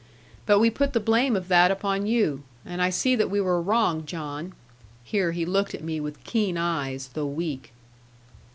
But we put the blame of that upon you. And I see that we were wrong, John.' Here he looked at me with keen eyes, though weak.